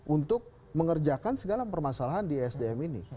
untuk mengerjakan segala permasalahan di sdm ini